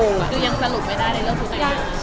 คือยังสรุปไม่ได้ในเรื่องชุดไหน